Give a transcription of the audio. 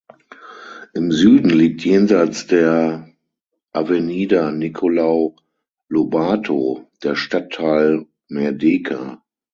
Im Süden liegt jenseits der "Avenida Nicolau Lobato" der Stadtteil Merdeka.